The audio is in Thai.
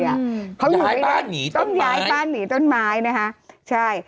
ย้ายบ้านหนีต้นไม้ต้องอยู่ไหนต้องย้ายบ้านหนีต้นไม้นะคะใช่